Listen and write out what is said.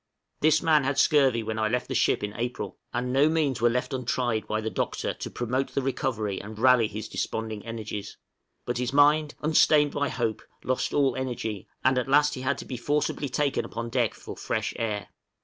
This man had scurvy when I left the ship in April, and no means were left untried by the Doctor to promote the recovery and rally his desponding energies; but his mind, unsustained by hope, lost all energy, and at last he had to be forcibly taken upon deck for fresh air.